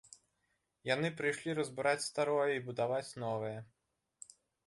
Яны прыйшлі разбураць старое і будаваць новае.